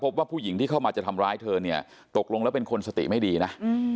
ว่าผู้หญิงที่เข้ามาจะทำร้ายเธอเนี่ยตกลงแล้วเป็นคนสติไม่ดีนะ